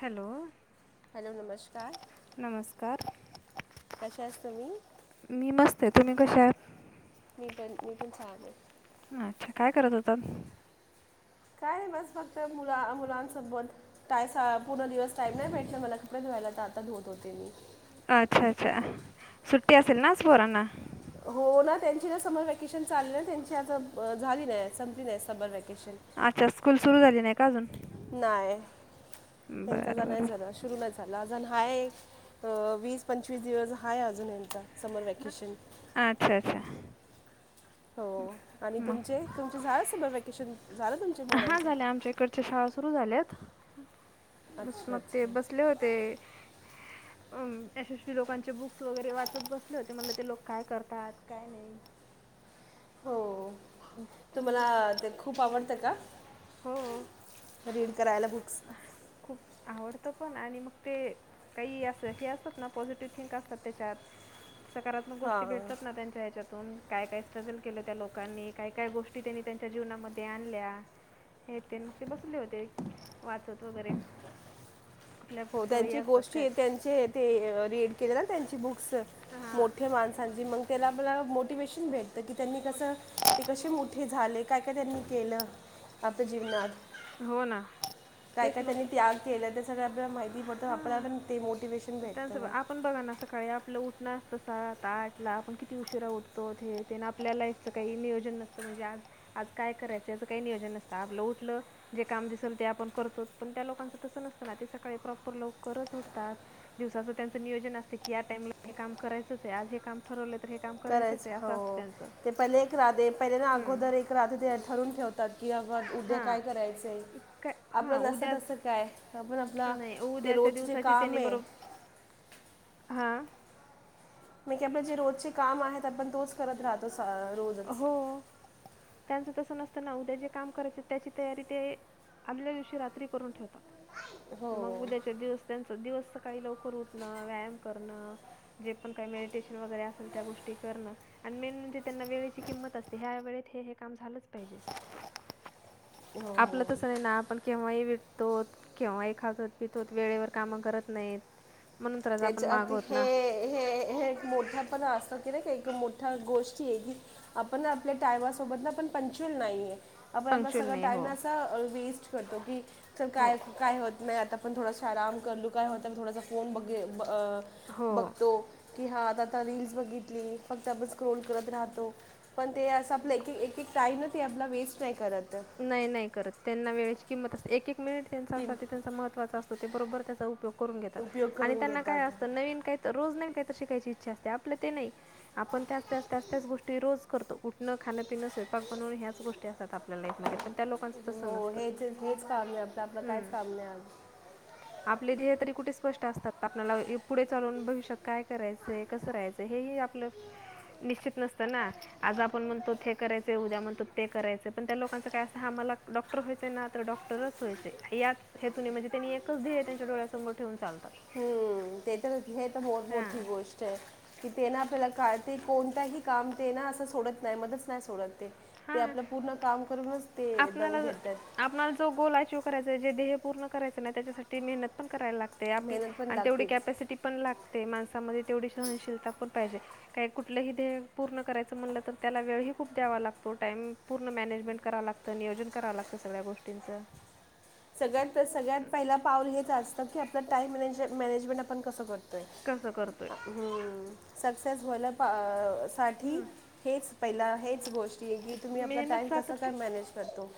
Hello नमस्कार मी मस्त आहे, तुम्ही कश आहात? मी पण छान आहे. अच्छा काय करत होतात? काय बस फक्त मुला मुलांसबत टायसाब पुर्ण दिवस टाईम नाही भेटला मला कपडे धूवायला. आता धूत होते मी अच्छा अच्छा सुट्टी असेल ना आज पोरांना. हो ना त्यांची ना समर वेकेशन चालली त्यांची आता झाली नाही. संपली नाही. समर वे अच्छा, स्कूल सुरु झाली नाही? नाय, त्यांचा आजा नाही झालं सुरू नाही झाला. अज जण हाय, अ वीस पंचवीस दिवस हाय अजून ह्यांचा. हा आच्छा, आच्छा. हो, आणि तुमचे तुमचे झा समर वॅकेशन झालं तुमचे पोरांचं? हा. बस मग ते बसले होते. अ यशस्वी लोकांचे बुक्स वगैरे वाचत बस ले होते, म्हणलं ते लोक काय करतात काय नाही. हो. तुम्हाला ते खूप आवडतं का? रीड करायला बुक्स. पण आणि मग ते काही अस हे असतात ना, पॉझिटिव्ह थिंक असतात त्याच्यात. सकारात्मक गोष्टी भेटतात ना त्यांच्या ह्याच्यात. तून काय काय स्ट्रगल केलं त्या लोकांनी. काय काय गोष्टी त्यांनी त्यांच्या जीवनामध्ये आणल्या हे ते मग बसले होते वाचत वगैरे. हो त्यांचे गोष्टी त्यांचे ते रीड केले ना त्यांची बुक्स, मोठे माणसांची मंग त्याला मला मोटिवेशन भेटत की त्यांनी कस ते क कशे मोठे झाले काय काय त्यांनी केलं आपल्या जीवनात. काय काय त्यांनी त्याग केलं त्या सगळं आपल्याला माहिती पडतं आपल्याला पण ते मोटिवेशन भेटतं म ऊठन असतं सात आटला आपण किती उशीरा उठतोत हे ते न आपल्या लाईफच काही नियोजन नस म्हणजे आज आज काय करायचं काही नियोजन नसत, आपलं उठलं जे काम दिसल ते आपण करतो. पण त्या लोकांच तस नसतं ना ते सकाळी प्रॉपर लवकरच उठतात दिवसाच त्यांच नियोजन असते की या टायमला हे काम करायचंच आहे आज हे काम ठरवलय. करायच हो ते पले एक राधे. पहिल्या ना अगोदर एक रात्री ठरून ठेवतात कि अग उद्या काय करायचंय आपलं नसत तसं काय आपण आपलं ते रोज जे काम आहे हा. मग की आपले जे रोजचे काम आहेत आपण तोच करत राहतो. अ हो. त्यांचं तसं नसताना उद्या जे काम करायचं त्याची तयारी ते आदल्या दिवशी रात्री करून ठेवतात. मग उद्याच्या दिवस त्यांच दिवस सकाळी लवकर उठणं, व्यायाम करण, जे पण काही मेडिटेशन वगैरे असेल त्या गोष्टी करणं आणि मेन म्हणजे त्यांना वेळे किंमत असते ह्या वेळेत हे हे काम झालंच पाहिजे. आपलं तसं नाही ना आपण. केव्हाही विटतोत केव्हाही खातोत पितो वेळेवर काम करत नाहीत. त्याच्या आती हे हे हे मोठ्या पण अस काक नाही का एक मोठा गोष्टी आहे की आपण आपल्या टायमासोबत ना पण पंच्युअल नाही आहे. आपण आपला सगळं टाईम ना असा वेस्ट. करतो की तर काय काय होत नाही आता पण थोडा आराम करू काय होता थोडा फोन बघ. [unintelligible] अ बघतो. कि हा आता आता रीलस बघितली फक्त आपण स्क्रोल करत राहतो पण ते असं आपलं. एक एक टाईम ते आपला वेस्ट नाही करत. किमत असते एक एक. मिनीट त्यांच्यासाठी त्यांचा महत्वाचा असतो. ते बरोबर त्याचा उपयोग करून घेतात आणि त्यांना काय असतं नवीन काही रोज शिकायची इच्छा असते आपल ते नाही आपण त्याच त्याच गोष्टी ते रोज करतो उठण खान पिन स्वयंपाक बनून ह्याच गोष्टी असतात आपल्या लाईफ मध्ये पण हो हेच हेच काम नाही आता आपलं कायच काम नाही आपले ध्येय तरी कुठे स्पष्ट असतात आपल्याला पुढे चालून भविष्यात काय करायचं कसं राहायचं हे ह आपलं निश्चित नसतं ना आज आपण म्हणतो हे करायचं उद्या म्हणतो ते करायचे पण त्या लोकांच काय असं ह मला डॉक्टर व्हायचय ना तर डॉक्टरच वयचे याच हेतूने म्हणजे त्यांनी एकच ध्येय त्याच्या डोळ्यासमोर घेऊन चालतात हम्म ते तर हे तर मो मोठी गोष्ट आहे कि ते ना आपल्याला काळ ते कोणतही काम ते ना असं सोडत नाही मध्येच नाही सोडत ते आपलं पूर्ण काम करूनच ते दम घेतात करायचं आहे जे ध्येय पुर्ण करायचं नाही त्याच्यासाठी मेहनत पण करायला लागते तेवढी कपासिटी पण लागते ते माणसामध्ये तेवढी सहनशीलता पण पाहिजे काही कुठलंही ध्येय पूर्ण करायचं म्हणलं तर त्याला वेळही खूप द्यावा लागतो तो टाइम पूर्ण मॅनेजमेंट कराव लागतं नियोजन कराव लागतं सगळ्या गोष्टींचं सगळ्या सगळ्यात पहिला पाऊल हेच असतं की आप टाइम मॅनेजमेंट आपणसं करतो ते हम सक्सेस होलं साठी हेच पहिला हेच गोष्टी आहे की तुम्ही आपला टाइम कसां काय मॅनेज करतो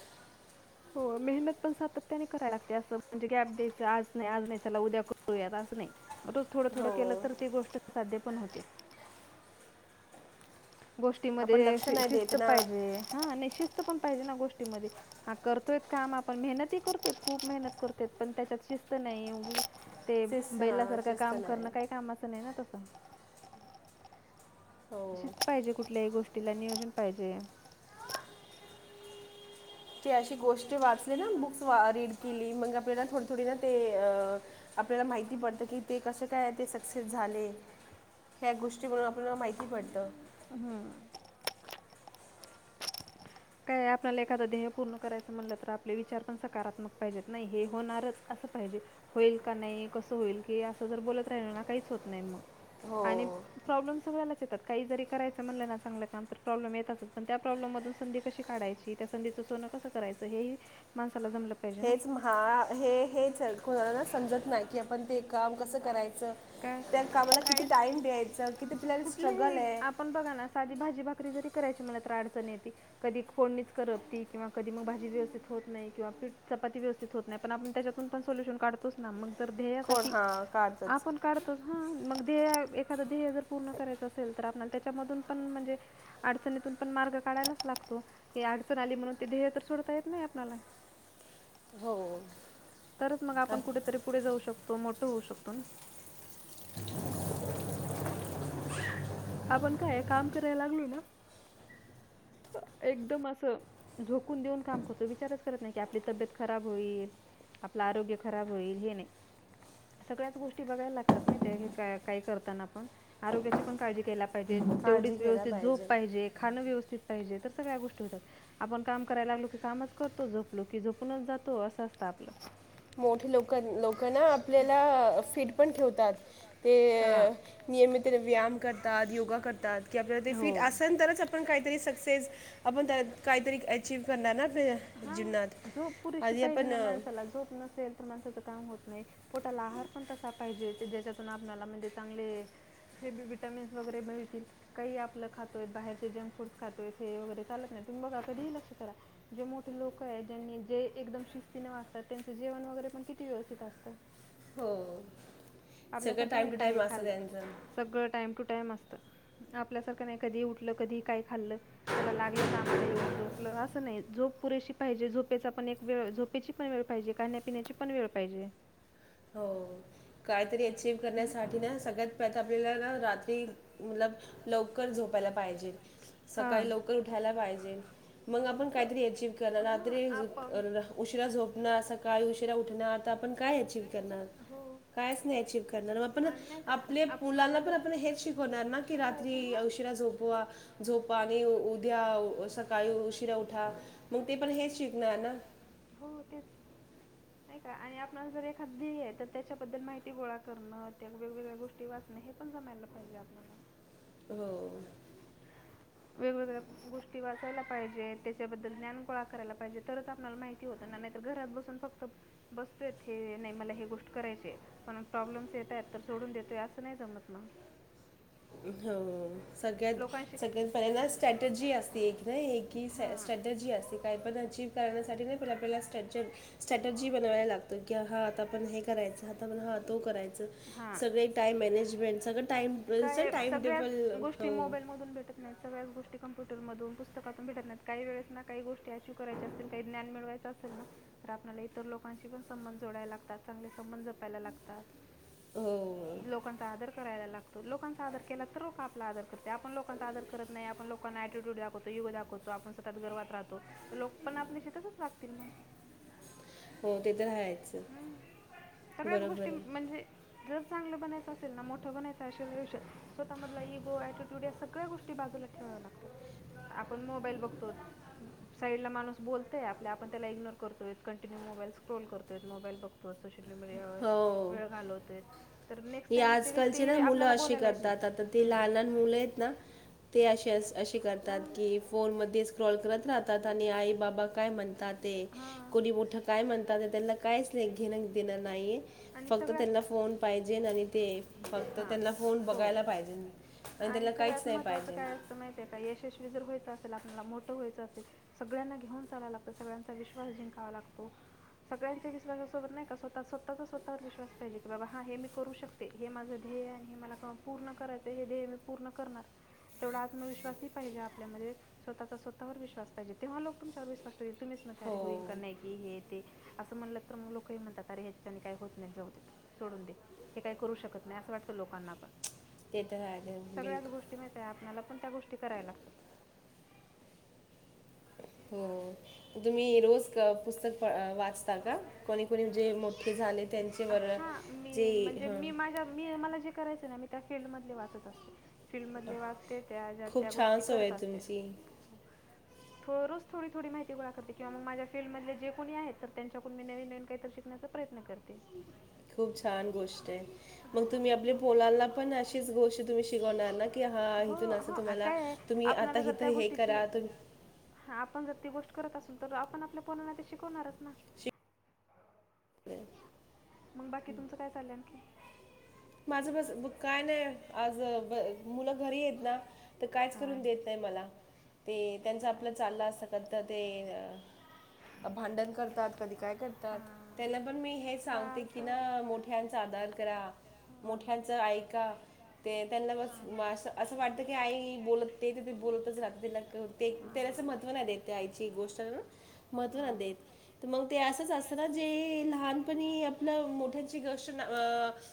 हो मेहनत पण सातत्याने करायला लागते असं म्हणजे गॅप द्यायच आज नाही आज नाही चला उद्या करूयात असं नाही रोज थोडं थोडं केलं तर ते गोष्ट साध्य पण होते गोष्टीमध्ये शिस्त पाहिजे हा नाही शिस्त पण पाहिजे ना गोष्टी हा करतोय काम आपण मेहनत करतो खूप मेहनत करतो पण त्याच्यात शिस्त नाही तेब बैलासारखं काम करणं काई कामाचं नाही ना तस ह [inaudible] शिस्त पाहिजे कुठल्याही गोष्टीला - नियोजन पाहिजे ती अशी गोष्ट - ती वाचली ना बुक्स वा रीड केली मग आपल्या ना थोडी - थोडी ना ते अ आपल्याला माहिती पडत की ते कस काय ते सक्सेस झाले ह्या गोष्टी मुळ - [unintelligible] माहिती पडत काय आपल्याला एखादं ध्येय पूर्ण करायच म्हणलं तर आपले विचार पण सकारात्मक पाहिजेत नाही हे होणारच असं पाहिजे होईल का नाही कसं होईल की असं जर बोलत राहिलो ना काहीच होत नाही मग आणि प्रॉब्लेम सगळ्यालाच - [unintelligible] काई जरी करायच म्हणलं ना चांगल काम तर प्रोब्लेम येतातच त्या प्रॉब्लेम मधून संधी कशी काढायची त्या संधीच सोनं कस करायच हे ही माणसा - हेच [unintelligible] हे हेच कोणाला समजत नाही की आपण ते काम कसं करायचं त्या कामाला किती टाइम द्यायच किती पल्याला स्ट्रगलय भाकरी जरी करायची म्हणली तर अडचणी य ती कधी फोडणीच करपती किंवा कधी मग भाजी व्यवस्थित होत नाही किवा चपाती व्यवस्थित होत नाही पण आपण त्याच्यातून पण सल्युशन काढतोच ना म कोण हा काढतच. मग ध्येयाव एखाद ध्येय जर पूर्ण करायचं असेल? तरआपणाला त्याच्यामधून पण म्हणजे अडचणीतून पण मार्ग काढयलाच लागतो क अडचण आली म्हणून ते ध्येय तर सोडता येत नाही आपल्याला तरच मग आपण कुठेतरी पुढे जाऊ शकतो मोठ होऊ शकतो ना आपण काय काम कराय लागलो ना एकदम असं झोकून देऊन काम करतो विचारच करत नाही की आपली तब्येत खराब होईल, आपलं आरोग्य खराब होईल हे नाही सगळ्याच गोष्टी बघायला लागतात म ते काही करताना पण आरोग्याची पण काळजी [inaudible] पाहिजेत तेवढीच व्यवस्थित झोप पाहिजे खान व्यवस्थित पाहिजे तर सगळ्या गोष्टी होतात आपण काम करायला लागलो की कामच करतो झोपलो की झोपूनच जातो असं असतं आपलं. मोठे लोक लोक ना आपल्याला फिट पण ठेवतात ते नियमिणे व्यायाम करतात योगा करतात की आपल्याला ते फिट असेन तरच आप काहीतरी सक्सेस आपण काहीतरी अचिव करणार ना फिर जीवनात आधी आपण तर माणसाच काम होत नई पोटाला आहार पण तसा पाहिजे ते ज्याच्यातुन आपणाला चांगले हेबी विटॅमिन्स वगैरे मिळतील काही आपलं खातोय बाहेरचे जंक फूडस खातोय हे वगैरे चालत नाही तुम्ही बघा कधीही लक्ष करा जे मोठे लोक आहेत ज्यांनी जे एकदम शिस्तीने वागतात त्यांच जेवण वगैरे पण किती व्यवस्थित असत. आपल्यासारखं नाही का आहे खाल्लं सगळं टाइम टू टाईम असत आपल्यासारखं नाही कधी उठल कधी काही खाल्ल चला लागलं कामाला येऊन झोपलं असं नाही झोप पुरेशी पाहिजे झोपेचा पण एक वेळ झोपेची पण वेळ पाहिजे खाण्यापिण्याची पण वेळ पाहिजे. हो ओ. कायतरी अचीव करण्यासाठी ना सगळ्यात पहिले तर आपल्याला अ रात्री मूल लवकर झोपायला पाहिजे सकाळी लवकर उठायला पाहिजे मग आपण काहीतरी अचिव करणार रात्री [unintelligible] उशिरा झोपणार सकाळी उशिरा उठणार तर आपण काय अचिव - करणार कायच नाही अचिव करणार म आपण आपल्या मुलांना पण आप हेच शिकवणार ना की रात्री उशरा झोपवा झोप पाणी उद्या सकाळी उशीरा उठा मग ते पण हेच शिकणार ना नाही का आणि आपणला जर एखादी ध्ये आहे तर त्याच्याबद्दल माहिती गोळा करणं त्या वेगवेगळ्या गोष्टी वाचणं हे पण जमायला पाहिजे आपणाला‌‌. हो. वेगवेगळ्या गोष्टी वाचायला पाहिजे. त्याच्याबद्दल ज्ञान गोळा करायला पाहिजे. तरच आपला माहिती होतं ना नाहीतर घरात बसून फक्त बसतोय हे नाही मला हे गोष्ट करायचे पण प्रॉब्लेम्स येत आहेत तर सोडून देतोय असं नाही जमतन. हो सगळ्यात सगळ्या ना स्ट्रॅटजी असते एक ना एक ही स स्ट्रॅटजी असते काही पण अचीव करण्यासाठी नाही आपल्याला स्ट्रॅट [unintelligible] स्ट्रॅटर्जी बनवायला लागतो की हा आता पण हे करायचं. पण हा तो करायचा सगळे टाइम मॅनेजमेंट सगळ टाइम सगळ्याच गोष्टी मोबाईल मधून भेटत नाहीत सगळ्याच गोष्टी कम्प्युटर मधून पुस्तकातून भेटत नाही काही वेळेस ना काही गोष्टी अचीव करायच्या असतील काही ज्ञान मिळवायचं असे ना तर आपल्याला इतर लोकांशी पण संबं जोडायला लागतात चांगले संबंध जपायला लागतात. हो. चा आदर करायला लागतो लोकांचा आदर केला तर लोक आपला आदर करते, आपण लोकांचा आदर करत नाही आपण लोकांना एटीट्यूड दाखवतो, इगो दाखवतो आपण स्वतःच्या गर्वात राहतो मग लोकपण आपल्याशी तसच वागतील मग हो ते तर हायच बरोबर आहे. जर चांगलं बनायचं असेल ना मोठं बनायचं आयुष्यात, स्वतः मधला इगो अटिट्यूड या सगळ्या गोष्टी बाजूला ठेवाव्या लागतात आपण मोबाईल बघतो साईड ला माणूस बोलतय आपल्या आपण त्याला इग्नोर करतोय कंटिन्यू मोबाईल स्क्रोल करतोय मोबाईल बघतो [unintelligible] वेळ घालत ते ही आजकालची ना मुलं अशी करतात. आता ती लहान लहान मुलं आहेत ना ती अशी करतात कि फोन मध्ये स्क्रॉल करत राहतात आणि आई बाबा काय म्हणतात ते कुणी मोठ काय म्हणतात त्यांना कायच घेण देणा नाहीये फक्त त्यांना फोन [unintelligible] फक्त त्यांना फोन बघायला पाहिजे आणि त्यांना काहीच नाही पाहिजे. चल आपल्याला मोठ व्हायचं असे सगळ्यांना घेऊन चालायला लागत सगळ्यांचा विश्वास जिंकावा लागतो. सगळ्यांच्या विश्वासा सोबत नाही का स्वतःचा स्वतवर विश्वास पाहिजे. की बाबा हा हे मी करू शकते, हे माझं ध्येय आणि हे मला पूर्ण करायचं हे ध्येय मी पूर्ण करणार तेवढा आत्मविश्वासही पाहिजे आपल्यामध्ये स्वतःचा स्वतःवर विश्वास पाहिजे, तेव्हा लोक तुमच्यावर विश्वास ठेवतील तुम्हीच म्हणता अरे होईल का नाही की हे ते असं म्हणलं तर मग लोकही म्हणतात अरे ह्याच्याचाणी काही होत नाही जाऊ दे. सोडून दे हे काही करू शकत नाही असं वाटतं लोकांना पण ते तर आहे बिलकुल मला पण त्या गोष्टी करायला लागतात. हो. तुम्ही रोज क पुस्तक वाचता का कोणी कोणी जे मोठे झाले त्यांच्यावर जे करायच ना मी त्या फील्ड मधली वाचत असते. फिल्ड मधले वाचते त्या त्या गोष्टी करत असते. थो रोज थोडी थोडी माहिती गोळा करते. किंवा मग माझ्या फिल्डमधले जे कोणी आहेत तर त्यांच्याकडून मी नवीन नवीन काहीतरी शिकण्याचा प्रयत्न करते. खूप छान गोष्टय, मग तुम्ही आपल्या पोलांना पण अशीच गोष्ट तुम्ही शिकवणार ना कि हा हितून अस तुम्हाला तुम्ही आता हित हे करा ती गोष्ट करत असून तर आपण आपल्या पोरांना ते शिकवणारच ना [inaudible] मग बाकी तुमचं काय चाललय आणखी माझं बस दुकाने आज ब मुलं घरी येत ना तर कायच करून देत नाही मला ते त्यांच आपलं चाललं असत क ते भांडण करतात कधी काय करतात त्यांना पण मी हेच सांगते कि ना मोठ्यांचा आदर करा मोठ्यांच ऐका ते त्यांना बस असं असं वाटत की आई बोलते तर ती बोलतच राहतना ते त्यालाच असं महत्व नाही देत आईची गोष्ट महत्व नाही देत तर मग ते असंच असतं ना जे लहान पणी आपलं मोठ्याची गोष्ट ना अ